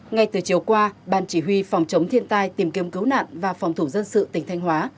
ngay từ chiều qua ban chỉ huy phòng chống thiên tai tìm kiếm cứu nạn và phòng thủ dân sự tỉnh thanh hóa